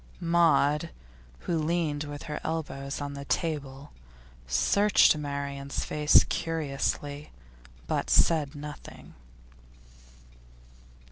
Maud, who leaned with her elbows on the table, searched Marian's face curiously, but said nothing.